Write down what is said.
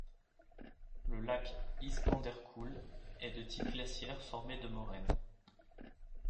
Le lac Iskanderkoul est de type glaciaire formé de moraine.